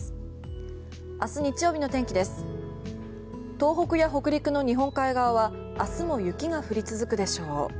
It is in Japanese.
東北や北陸の日本海側は明日も雪が降り続くでしょう。